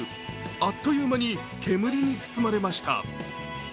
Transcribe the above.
あっという間に煙に包まれました。